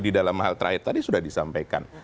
di dalam hal terakhir tadi sudah disampaikan